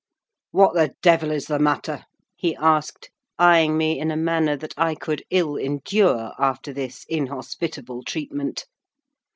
"What the devil is the matter?" he asked, eyeing me in a manner that I could ill endure after this inhospitable treatment.